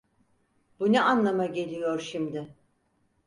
Bu ne anlama geliyor şimdi?